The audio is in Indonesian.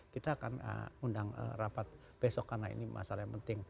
kita akan undang rapat besok karena ini masalah yang penting